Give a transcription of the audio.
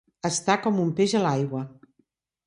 Estar com un peix a l'aigua.